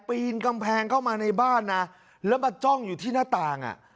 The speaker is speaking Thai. ปีนกำแพงเข้ามาในบ้านนะแล้วมาจ้องอยู่ที่หน้าต่างอ่ะ